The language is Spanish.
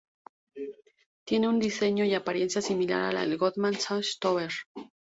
Tiene un diseño y apariencia similar a la Goldman Sachs Tower.